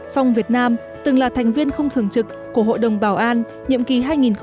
song việt nam từng là thành viên không thường trực của hội đồng bảo an nhiệm kỳ hai nghìn tám hai nghìn chín